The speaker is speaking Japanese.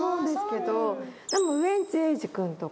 でもウエンツ瑛士君とか。